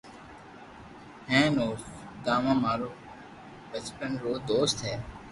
ھي او سوداما مارو بچپن رو دوست ھي